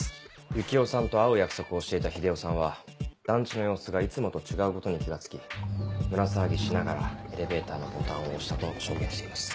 夕紀夫さんと会う約束をしていた日出夫さんは団地の様子がいつもと違うことに気が付き胸騒ぎしながらエレベーターのボタンを押したと証言しています。